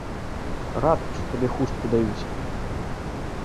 Рад, што табе хустку даюць!